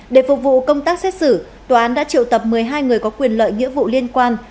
để phục vụ công tác xét xử tòa án đã triệu tập một mươi hai người có quyền lợi nghĩa vụ liên quan